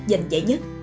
dành giải nhất